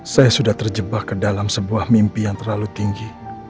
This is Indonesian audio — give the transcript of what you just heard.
saya sudah terjebak ke dalam sebuah mimpi yang terlalu tinggi